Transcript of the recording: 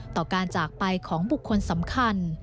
ต่อการจากไปของบุคคลสำคัญ